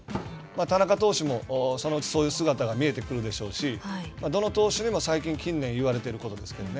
田中投手もそのうちそういう姿が見えてくるでしょうし、どの投手にも最近、近年言われていることですけどね。